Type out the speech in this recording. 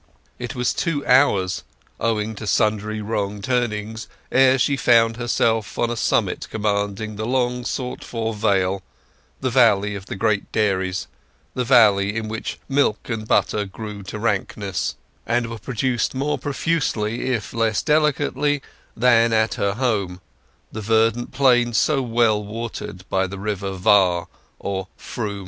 It was two hours, owing to sundry wrong turnings, ere she found herself on a summit commanding the long sought for vale, the Valley of the Great Dairies, the valley in which milk and butter grew to rankness, and were produced more profusely, if less delicately, than at her home—the verdant plain so well watered by the river Var or Froom.